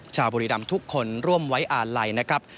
บุรีรำทุกคนร่วมไว้อาลัยนะครับ